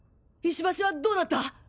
石橋はどうなった！？